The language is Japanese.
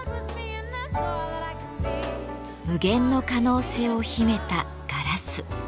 無限の可能性を秘めたガラス。